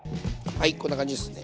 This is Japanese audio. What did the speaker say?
はいこんな感じですかね。